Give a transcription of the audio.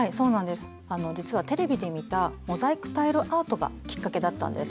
実はテレビで見たモザイクタイルアートがきっかけだったんです。